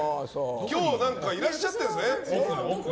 今日いらっしゃってるんですね。